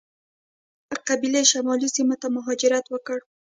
مایا قبیلې شمالي سیمو ته مهاجرت وکړ.